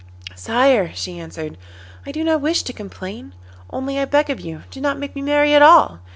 'Sire,' she answered, 'I do not wish to complain, only I beg of you do not make me marry at all.